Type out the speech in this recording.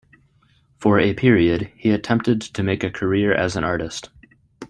For a period, he attempted to make a career as an artist.